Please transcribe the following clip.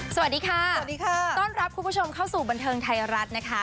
สวัสดีค่ะสวัสดีค่ะต้อนรับคุณผู้ชมเข้าสู่บันเทิงไทยรัฐนะคะ